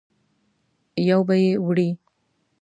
یو به یې وړې.